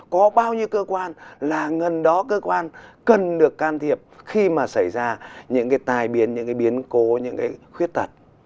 có bao nhiêu cơ quan là ngân đó cơ quan cần được can thiệp khi mà xảy ra những cái tài biến những cái biến cố những cái khuyết tật